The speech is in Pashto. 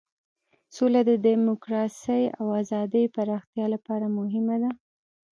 سوله د دموکراسۍ او ازادۍ پراختیا لپاره مهمه ده.